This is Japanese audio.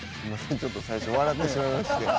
ちょっと最初笑ってしまいまして。